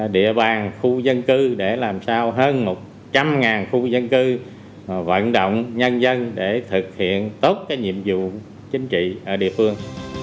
địa bàn khu dân cư để làm sao hơn một trăm linh khu dân cư vận động nhân dân để thực hiện tốt cái nhiệm vụ chính trị ở địa phương